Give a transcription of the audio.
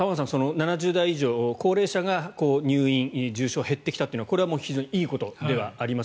７０代以上、高齢者が入院重症が減ってきたというのはいいことではあります。